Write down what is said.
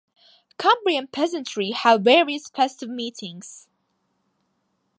Cumbrian peasantry have various festive meetings.